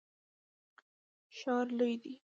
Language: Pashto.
ښار لوی دی.